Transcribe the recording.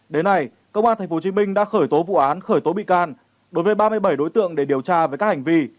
đến nay công an tp hcm đã khởi tố vụ án khởi tố bị can đối với ba mươi bảy đối tượng để điều tra về các hành vi